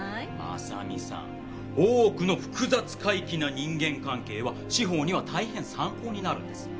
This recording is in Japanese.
真実さん大奥の複雑怪奇な人間関係は司法には大変参考になるんです。